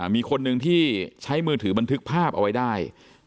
มีคนหนึ่งที่ใช้มือถือบันทึกภาพเอาไว้ได้